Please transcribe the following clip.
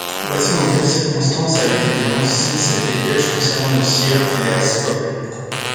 Voici dans quelles circonstances avait été lancée cette dépêche concernant le sieur Phileas Fogg.